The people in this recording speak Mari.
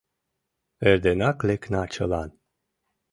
Эрденак лекна чылан.